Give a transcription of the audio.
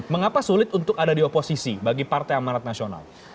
mengapa sulit untuk ada di oposisi bagi partai amarat nasional